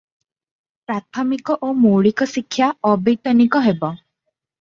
ପ୍ରାଥମିକ ଓ ମୌଳିକ ଶିକ୍ଷା ଅବୈତନିକ ହେବ ।